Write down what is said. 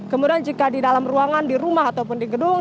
kemudian jika di dalam ruangan di rumah ataupun di gedung